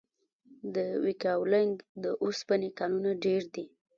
د یکاولنګ د اوسپنې کانونه ډیر دي؟